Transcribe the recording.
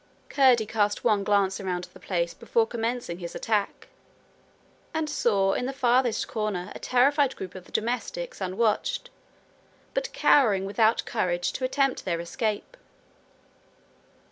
Curdie cast one glance around the place before commencing his attack, and saw in the farthest corner a terrified group of the domestics unwatched, but cowering without courage to attempt their escape.